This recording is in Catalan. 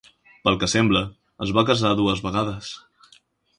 Pel que sembla, es va casar dues vegades.